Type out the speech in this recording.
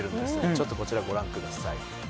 ちょっとこちらをご覧ください。